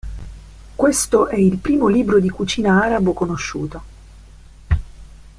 Questo è il primo libro di cucina arabo conosciuto.